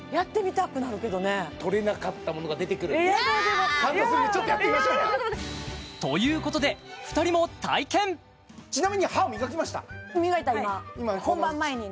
取れなかったものが出てくるやだでも感動するんでちょっとやってみましょうということで２人も体験ちなみに磨いた今本番前にね